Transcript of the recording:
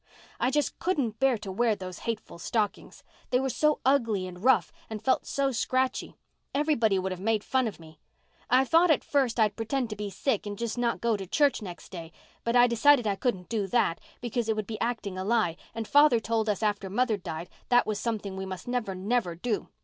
"I just couldn't bear to wear those hateful stockings. They were so ugly and rough and felt so scratchy. Everybody would have made fun of me. I thought at first I'd pretend to be sick and not go to church next day, but I decided I couldn't do that, because it would be acting a lie, and father told us after mother died that was something we must never, never do.